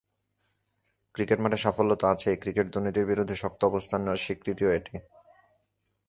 Cricket মাঠে সাফল্য তো আছেই, ক্রিকেট-দুর্নীতির বিরুদ্ধে শক্ত অবস্থান নেওয়ার স্বীকৃতি এটি।